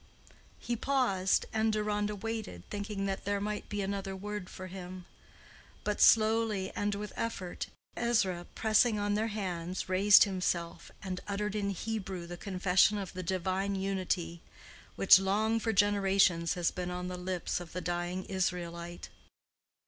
He paused, and Deronda waited, thinking that there might be another word for him. But slowly and with effort Ezra, pressing on their hands, raised himself and uttered in Hebrew the confession of the divine Unity, which long for generations has been on the lips of the dying Israelite.